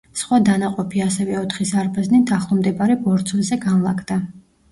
სხვა დანაყოფი ასევე ოთხი ზარბაზნით ახლომდებარე ბორცვზე განლაგდა.